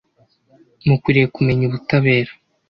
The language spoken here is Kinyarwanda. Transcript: mukwiriye kumenya ubutabera